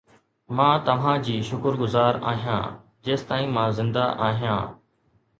مان توهان جي شڪرگذار آهيان جيستائين مان زنده آهيان